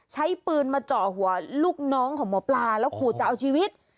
ใช้ปืนมาเจาะหัวลูกน้องของหมอปลาแล้วขู่จะเอาชีวิต